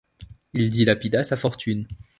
Il dilapida sa fortune.